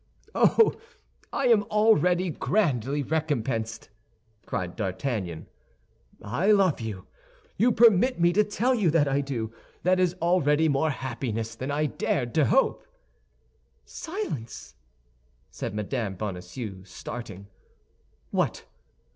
"Oh, I am already grandly recompensed!" cried D'Artagnan. "I love you; you permit me to tell you that I do—that is already more happiness than I dared to hope." "Silence!" said Mme. Bonacieux, starting. "What!"